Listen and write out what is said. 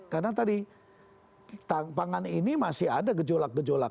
karena tadi pangan ini masih ada gejolak gejolak